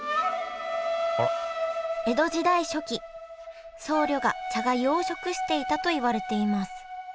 江戸時代初期僧侶が茶がゆを食していたといわれています